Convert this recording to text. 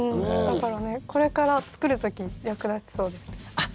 だからこれから作る時役立ちそうです。